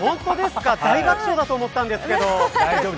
大爆笑だと思ったんですけど。